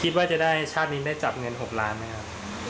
คิดว่าจะได้ชาตินี้ได้จับเงิน๖ล้านไหมครับ